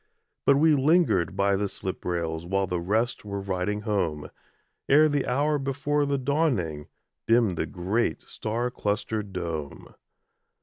But we lingered by the slip rails While the rest were riding home, Ere the hour before the dawning, Dimmed the great star clustered dome.